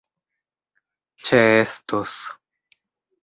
ĉeestos